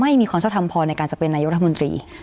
ไม่มีความชอบทำพอในการจะเป็นนายกรัฐมนตรี